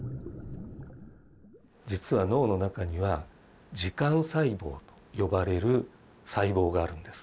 実は脳の中には「時間細胞」と呼ばれる細胞があるんです。